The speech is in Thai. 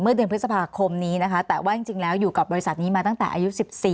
เดือนพฤษภาคมนี้นะคะแต่ว่าจริงแล้วอยู่กับบริษัทนี้มาตั้งแต่อายุ๑๔